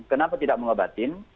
kenapa tidak mengobatin